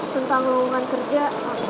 tentang ruangan kerja